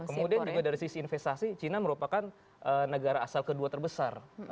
kemudian juga dari sisi investasi cina merupakan negara asal kedua terbesar